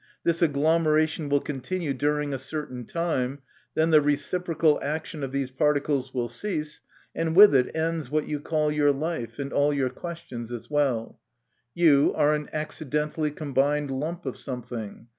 This agglom eration will continue during a certain time, then the reciprocal action of these particles will cease, and with it ends what you call your life and all your questions as well. You are an acciden tally combined lump of something.